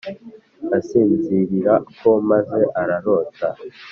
asinzirirako maze ararota